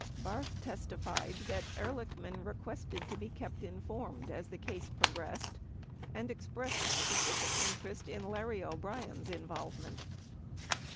3 Barth testified that Ehrlichman requested to be kept informed as the case progressed and expressed specific interest in Larry O'Brien's involvement.